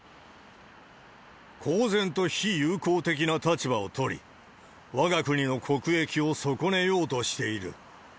公然と非友好的な立場を取り、わが国の国益を損ねようとしている。